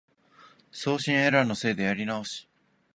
送信エラーのせいでやり直し